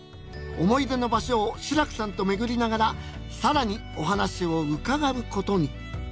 思い出の場所を志らくさんと巡りながら更にお話を伺うことに。